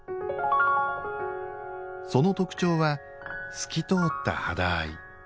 その特徴は透き通った肌合い。